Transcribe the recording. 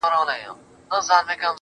زه به دا ټول كندهار تاته پرېږدم.